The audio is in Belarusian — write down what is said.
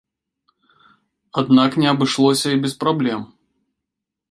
Аднак не абышлося і без праблем.